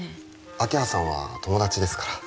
明葉さんは友達ですから